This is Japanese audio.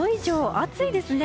暑いですよね。